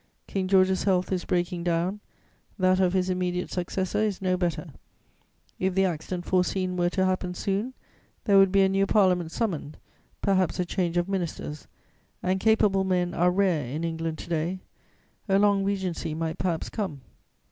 King George's health is breaking down, that of his immediate successor is no better; if the accident foreseen were to happen soon, there would be a new parliament summoned, perhaps a change of ministers, and capable men are rare in England to day; a long regency might perhaps come.